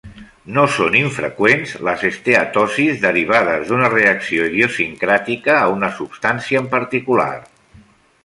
No són infreqüents les esteatosis derivades d'una reacció idiosincràtica a una substància en particular.